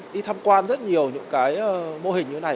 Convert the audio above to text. đi tham quan rất nhiều những cái mô hình như thế này